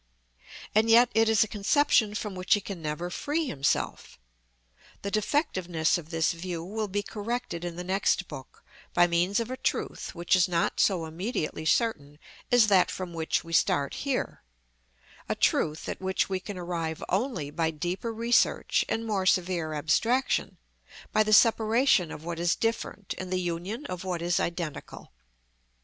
And yet it is a conception from which he can never free himself. The defectiveness of this view will be corrected in the next book by means of a truth which is not so immediately certain as that from which we start here; a truth at which we can arrive only by deeper research and more severe abstraction, by the separation of what is different and the union of what is identical.